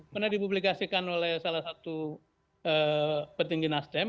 pernah dipublikasikan oleh salah satu petinggi nasdem